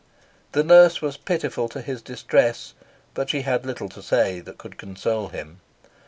The nurse was pitiful to his distress, but she had little to say that could console him.